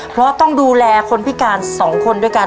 เพราะต้องดูแลคนพิการ๒คนด้วยกัน